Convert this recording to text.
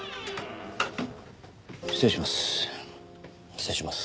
失礼します。